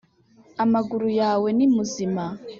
amaguru yawe ni muzima;